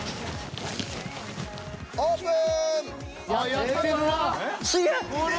オープン。